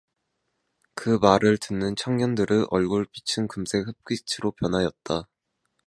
그 말을 듣는 청년들의 얼굴빛은 금세 흙빛으로 변하였다.